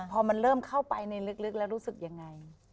พอมันเริ่มเข้าไปในลึกแล้วรู้สึกยังไง